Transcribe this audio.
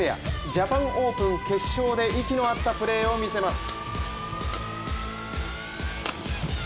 ジャパンオープン決勝で息の合ったプレーを見せます。